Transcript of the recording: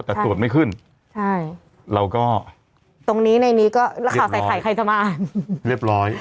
แต่ตรวจไม่ขึ้นใช่เราก็ตรงนี้ในนี้ก็แล้วข่าวใส่ไข่ใครจะมาอ่านเรียบร้อย